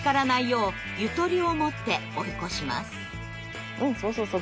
うんそうそうそう。